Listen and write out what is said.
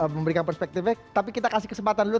memberikan perspektifnya tapi kita kasih kesempatan dulu